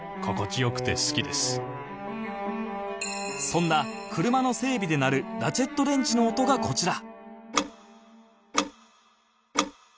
そんな車の整備で鳴るラチェットレンチの音がこちら